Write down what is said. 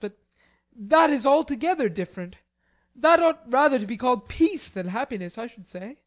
But that is altogether different. That ought rather to be called peace than happiness, I should say.